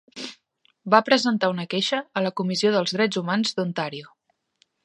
Va presentar una queixa a la Comissió dels Drets Humans d'Ontario.